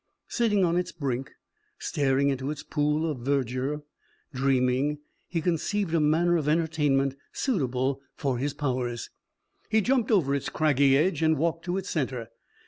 Sitting on its brink, staring into its pool of verdure, dreaming, he conceived a manner of entertainment suitable for his powers. He jumped over its craggy edge and walked to its centre.